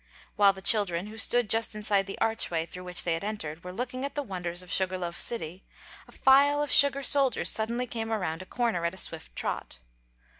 While the children, who stood just inside the archway through which they had entered, were looking at the wonders of Sugar Loaf City, a file of sugar soldiers suddenly came around a corner at a swift trot.